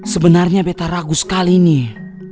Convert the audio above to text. sebenarnya beta ragu sekali nih